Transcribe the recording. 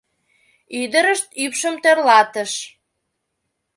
— Ӱдырышт ӱпшым тӧрлатыш.